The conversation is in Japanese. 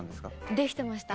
できてました。